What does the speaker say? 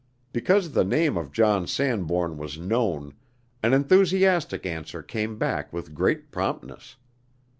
Because the name of John Sanbourne was known, an enthusiastic answer came back with great promptness.